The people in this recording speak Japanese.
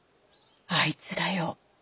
あいつだよ。